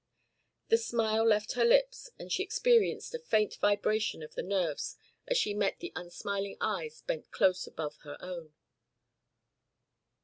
The smile left her lips and she experienced a faint vibration of the nerves as she met the unsmiling eyes bent close above her own.